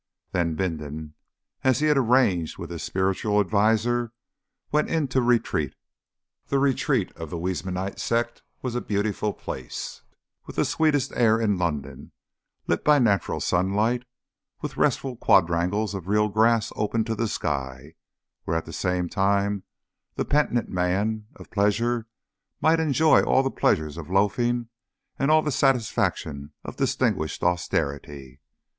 Then Bindon, as he had arranged with his spiritual adviser, went into retreat. The retreat of the Huysmanite sect was a beautiful place, with the sweetest air in London, lit by natural sunlight, and with restful quadrangles of real grass open to the sky, where at the same time the penitent man of pleasure might enjoy all the pleasures of loafing and all the satisfaction of distinguished austerity.